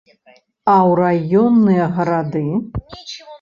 А ў раённыя гарады?